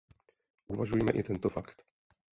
Uvažujme i tento fakt.